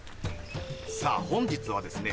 さぁ本日はですね